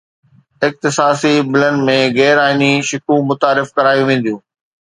اختصاصي بلن ۾ غير آئيني شقون متعارف ڪرايون وينديون